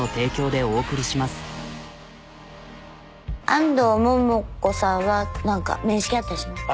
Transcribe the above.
安藤桃子さんはなんか面識あったりしますか？